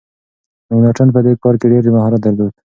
مکناټن په دې کار کي ډیر مهارت درلود.